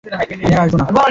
আমি আর আসবো না!